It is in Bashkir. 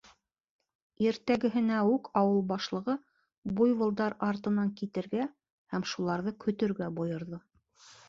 Иртәгәһенә үк ауыл башлығы буйволдар артынан китергә һәм шуларҙы көтөргә бойорҙо.